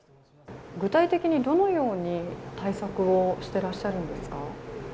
具体的にどのように対策をしてらっしゃるんですか？